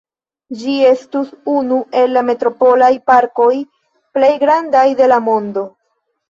Ĝi estas unu el la metropolaj parkoj plej grandaj de la mondo.